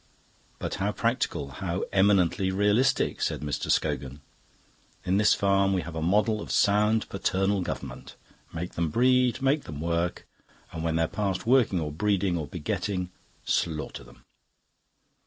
"But how practical, how eminently realistic!" said Mr. Scogan. "In this farm we have a model of sound paternal government. Make them breed, make them work, and when they're past working or breeding or begetting, slaughter them."